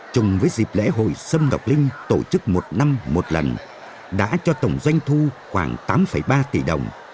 chung với dịp lễ hội sâm ngọc linh tổ chức một năm một lần đã cho tổng doanh thu khoảng tám ba tỷ đồng